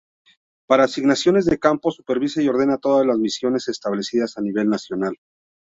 Para asignaciones de campo, supervisa y ordena todas las misiones establecidas a nivel nacional.